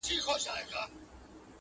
په كوڅو كي يې ژوندۍ جنازې ګرځي،